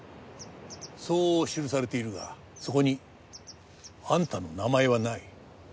そう記されているがそこにあんたの名前はない。